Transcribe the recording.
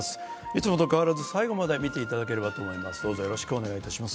いつもと変わらず最後まで見ていただければと思います。